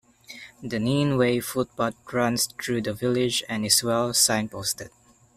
The Nene Way footpath runs through the village and is well signposted.